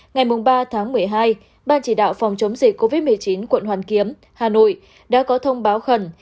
ngày ba tháng một mươi hai ban chỉ đạo phòng chống dịch covid một mươi chín quận hoàn kiếm hà nội đã có thông báo khẩn